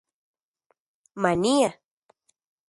Mania